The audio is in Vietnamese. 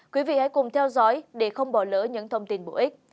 quý vị hãy cùng theo dõi để không bỏ lỡ những thông tin bổ ích